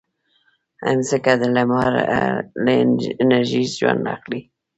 مځکه د لمر له انرژي ژوند اخلي.